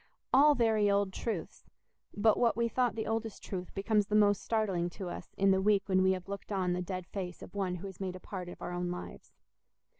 All very old truths—but what we thought the oldest truth becomes the most startling to us in the week when we have looked on the dead face of one who has made a part of our own lives.